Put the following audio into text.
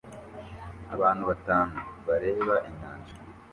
Abantu batanu bareba inyanja